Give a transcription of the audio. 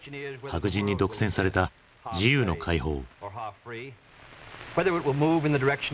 白人に独占された自由の解放。